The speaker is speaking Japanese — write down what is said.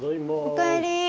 おかえり。